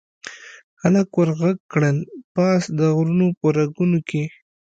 هلک ور ږغ کړل، پاس د غرونو په رګونو کې